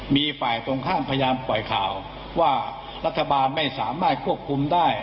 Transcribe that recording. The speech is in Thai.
มีฝ่ายตรงข้ามพยายามปล่อยข่าวว่ารัฐบาลไม่สามารถควบคุมได้